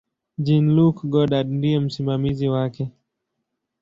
Jean-Luc Godard ndiye msimamizi wake.